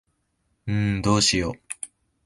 んーどうしよ。